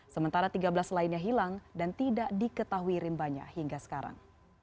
sementara tiga belas lainnya hilang dan tidak diketahui rimbanya hingga sekarang